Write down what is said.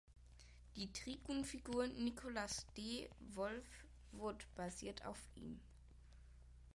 Die Trigun-Figur Nicholas D. Wolfwood basiert auf ihm.